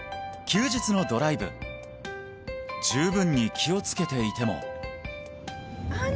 休日のドライブ十分に気をつけていてもああ